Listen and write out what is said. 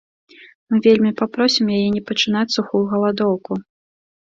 Мы вельмі папросім яе не пачынаць сухую галадоўку.